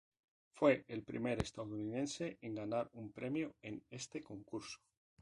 Fue el primer estadounidense en ganar un premio en este concurso.